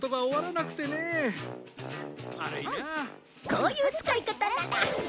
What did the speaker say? こういう使い方なら！